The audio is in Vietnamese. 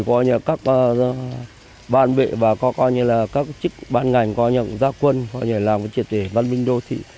các ban vệ và các chức ban ngành cũng ra quân làm triệt tự văn minh đô thị